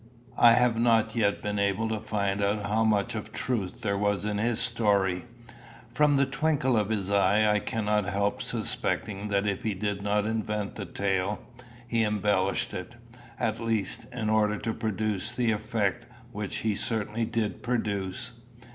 I have not yet been able to find out how much of truth there was in his story. From the twinkle of his eye I cannot help suspecting that if he did not invent the tale, he embellished it, at least, in order to produce the effect which he certainly did produce.